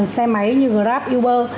xe máy như grab uber